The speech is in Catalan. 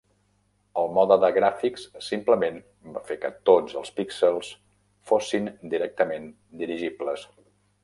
El mode de gràfics simplement va fer que tots els píxels fossin directament dirigibles.